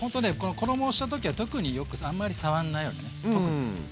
衣をした時は特によくあんまり触んないようにね特に！